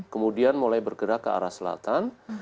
kemudian mulai bergerak ke arah selatan